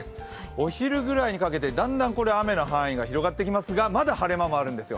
お昼ぐらいにかけて、だんだん雨の範囲が広がってきますが、まだ晴れ間もあるんですよ。